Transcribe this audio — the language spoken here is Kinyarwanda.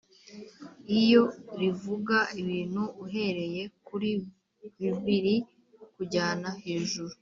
iyo rivuga ibintu uhereye kuri bibiri kujyana hejuru